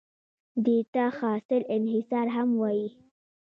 دې ته خالص انحصار هم وایي.